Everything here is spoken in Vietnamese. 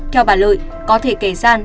theo bà lợi có thể kẻ gian